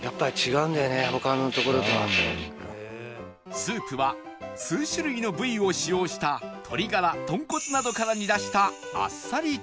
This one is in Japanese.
スープは数種類の部位を使用した鶏ガラ豚骨などから煮出したあっさり系